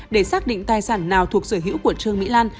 để xác định tài sản nào thuộc sở hữu của trương mỹ lan